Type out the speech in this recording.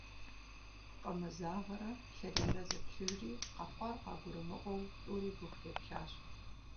Пкъымызагъэрэ Лъэрейрэ зэплъыжри, къэхъуар къагурымыӀуэу тӀури Быху еплъащ.